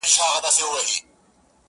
• خوږېدل یې سرتر نوکه ټول هډونه -